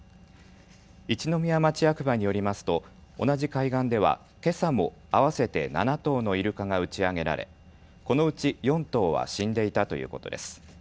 一宮町役場によりますと同じ海岸ではけさも合わせて７頭のイルカが打ち上げられこのうち４頭は死んでいたということです。